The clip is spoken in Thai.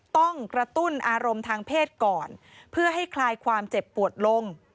ต้องกระตุ้นอารมณ์ทางเพศก่อนเพื่อให้คลายความเจ็บปวดลง